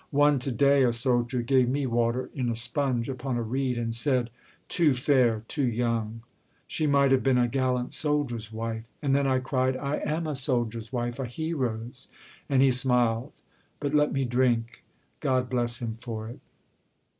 One to day, A soldier, gave me water in a sponge Upon a reed, and said, 'Too fair! too young! She might have been a gallant soldier's wife!' And then I cried, 'I am a soldier's wife! A hero's!' And he smiled, but let me drink. God bless him for it!